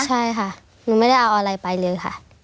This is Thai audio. ใช่ค่ะหนูไม่ได้เอาอะไรไปเลยค่ะ